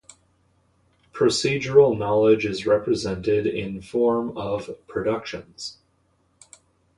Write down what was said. Procedural knowledge is represented in form of "productions".